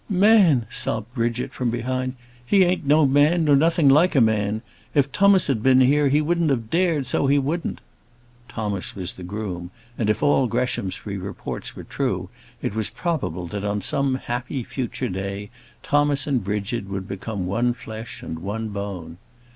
"Man!" sobbed Bridget from behind. "He an't no man, nor nothing like a man. If Tummas had been here, he wouldn't have dared; so he wouldn't." Thomas was the groom, and, if all Greshamsbury reports were true, it was probable, that on some happy, future day, Thomas and Bridget would become one flesh and one bone.